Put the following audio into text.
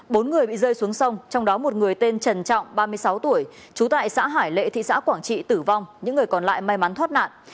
bốn người bị rơi xuống sông trong đó một người tên trần trọng ba mươi sáu tuổi trú tại xã hải lệ thị xã quảng trị tử vong những người còn lại may mắn thoát nạn